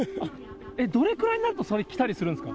どれぐらいになると、それ着たりするんですか？